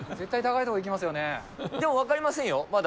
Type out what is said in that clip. でも分かりませんよ、まだ。